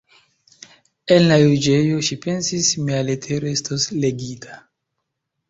En la juĝejo, ŝi pensis, mia letero estos legita.